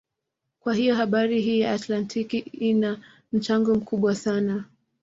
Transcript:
Kwa hiyo bahari hii ya Atlantiki ina mchango mkubwa sana